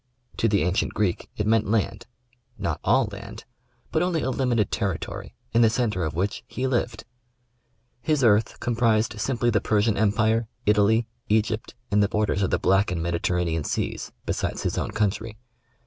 To the ancient Greek it meant land — not all land, but only a limited territory, in the centre of which he lived. His earth comprised simply the Persian Empire, Italy, Egypt and the bor ders of the Black and Mediterranean seas, besides his own coun try.